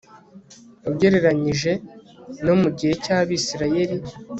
ugereranyije no mu gihe cy'abisirayeli